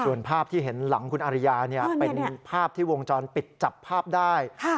ส่วนภาพที่เห็นหลังคุณอาริยาเป็นภาพที่วงจรปิดจับภาพได้